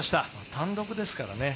単独ですからね。